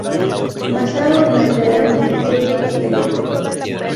Basado en el de la Wikipedia inglesa